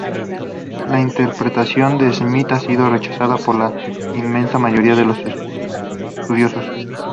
La interpretación de Smith ha sido rechazada por la inmensa mayoría de los estudiosos.